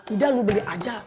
udah lo beli aja